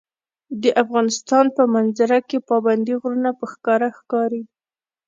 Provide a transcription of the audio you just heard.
د افغانستان په منظره کې پابندي غرونه په ښکاره ښکاري.